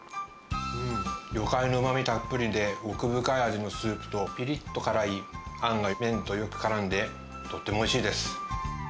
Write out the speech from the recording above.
うん、魚介のうまみたっぷりで、奥深い味のスープと、ぴりっと辛いあんが麺とよくからんで、とてもおいしいです。